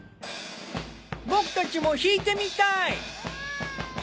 僕たちも弾いてみたい。